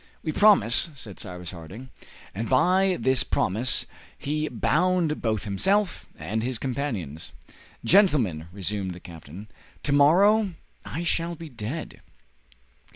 "We promise," said Cyrus Harding. And by this promise he bound both himself and his companions. "Gentlemen," resumed the captain, "to morrow I shall be dead."